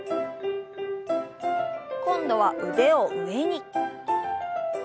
今度は腕を上に。